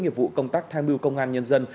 nghiệp vụ công tác tham mưu công an nhân dân